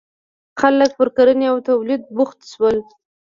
• خلک پر کرنې او تولید بوخت شول.